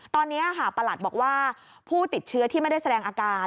ตอนนี้ประหลัดบอกว่าผู้ติดเชื้อที่ไม่ได้แสดงอาการ